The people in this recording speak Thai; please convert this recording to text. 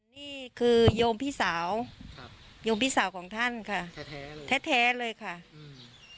นี่คือโยมพี่สาวครับโยมพี่สาวของท่านค่ะแท้แท้เลยแท้แท้เลยค่ะอืม